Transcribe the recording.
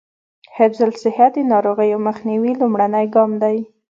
حفظ الصحه د ناروغیو مخنیوي لومړنی ګام دی.